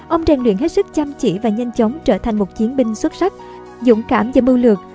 ông rèn luyện hết sức chăm chỉ và nhanh chóng trở thành một chiến binh xuất sắc dũng cảm và mưu lược